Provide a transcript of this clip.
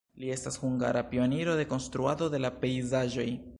Li estas hungara pioniro de konstruado de la pejzaĝoj.